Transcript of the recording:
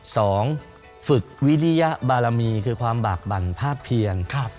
สองฝึกวิริยบารมีคือความบากบั่นภาพเพียน